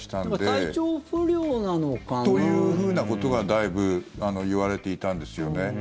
体調不良なのかな？というふうなことがだいぶいわれていたんですよね。